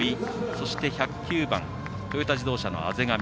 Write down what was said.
そして、１０９番トヨタ自動車の畔上。